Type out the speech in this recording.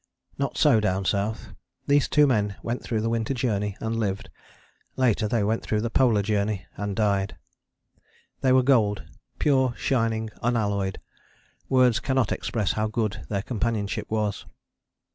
Not so down South. These two men went through the Winter Journey and lived: later they went through the Polar Journey and died. They were gold, pure, shining, unalloyed. Words cannot express how good their companionship was.